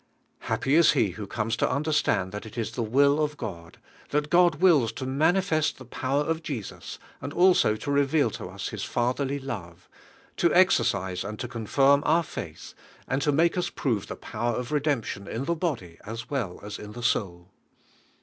Happy is be who comes to understand that it is the v.ill of find; that God wills to manifest the power of Jesus, and also to reveal Lo us His Fatherly love; to exercise and to confirm our faith, and to make us prove the power of redemption in the body as well as in the soul.